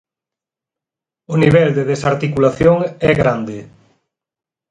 O nivel de desarticulación é grande.